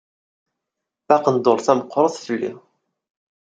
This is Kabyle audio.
Taqenduṛt-a meqqret fell-i.